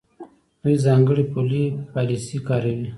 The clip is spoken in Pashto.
دوی ځانګړې پولي پالیسۍ کاروي.